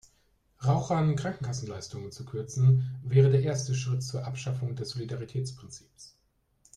Rauchern Krankenkassenleistungen zu kürzen, wäre der erste Schritt zur Abschaffung des Solidaritätsprinzips.